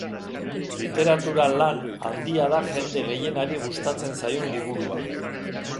Literatura-lan handia da jende gehienari gustatzen zaion liburua.